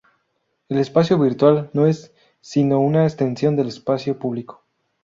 el espacio virtual no es sino una extensión del espacio público